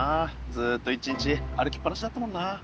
ずっと１日歩きっぱなしだったもんな。